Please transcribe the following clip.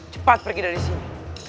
cepat pergi dari sini